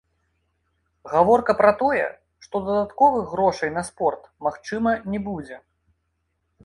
Гаворка пра тое, што дадатковых грошай на спорт, магчыма, не будзе.